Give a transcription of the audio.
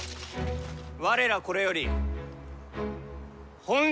我らこれより本領